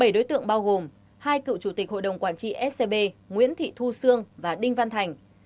bảy đối tượng bao gồm hai cựu chủ tịch hội đồng quản trị scb nguyễn thị thu sương và đinh văn thành